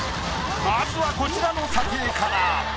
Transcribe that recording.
まずはこちらの査定から。